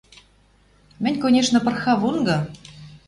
— Мӹнь, конечно, пырхавонгы.